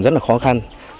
rất là khó khăn